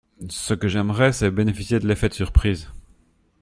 Ce que j’aimerais, c’est bénéficier de l’effet de surprise.